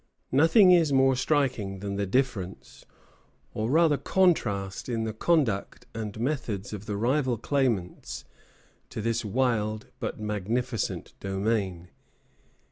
Nothing is more striking than the difference, or rather contrast, in the conduct and methods of the rival claimants to this wild but magnificent domain.